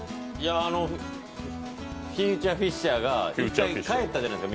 フューチャーフィッシャーが一旦未来に帰ったじゃないですか。